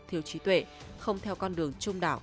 thiếu trí tuệ không theo con đường trung đảo